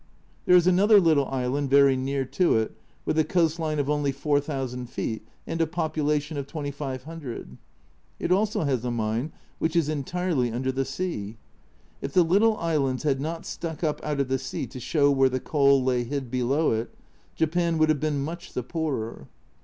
There is another little island very near to it, with a coast line of only 4000 feet and a population of 2500 ! It also has a mine which is entirely under the sea. If the little islands had not stuck up out of the sea to show where the coal lay hid below it, Japan would have been much the poorer.